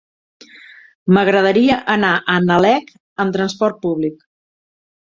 M'agradaria anar a Nalec amb trasport públic.